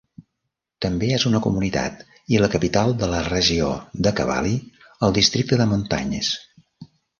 També és una comunitat i la capital de la regió de Cavally, al districte de Montagnes.